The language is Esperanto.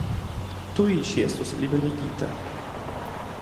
Tuj ŝi estos liberigita.